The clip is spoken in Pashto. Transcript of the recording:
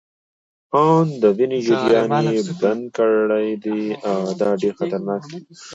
آن د وینې جریان يې بند کړی دی، دا ډیره خطرناکه ده.